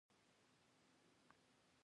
زه دبۍ ته راغلم او لا تر اوسه وزګار ګرځم.